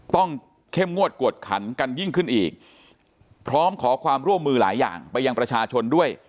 เข้มงวดกวดขันกันยิ่งขึ้นอีกพร้อมขอความร่วมมือหลายอย่างไปยังประชาชนด้วย